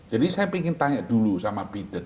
jadi saya ingin tanya dulu sama biden